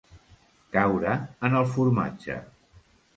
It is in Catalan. Caure en el formatge.